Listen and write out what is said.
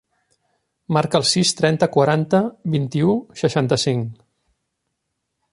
Marca el sis, trenta, quaranta, vint-i-u, seixanta-cinc.